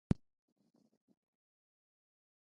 افغانستان د سلیمان غر لپاره مشهور دی.